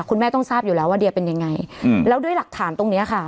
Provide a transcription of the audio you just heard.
คุณแม่ต้องทราบอยู่แล้วว่าเดียเป็นยังไงแล้วด้วยหลักฐานตรงเนี้ยค่ะ